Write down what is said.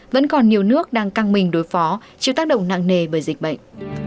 vẫn còn nhiều nước đang căng mình đối phó chịu tác động nặng nề bởi dịch bệnh